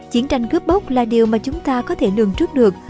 chiến tranh cướp bốc là điều mà chúng ta có thể lường trước được